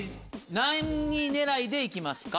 何位狙いで行きますか？